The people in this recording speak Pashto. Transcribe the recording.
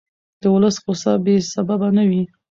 د ولس غوسه بې سببه نه وي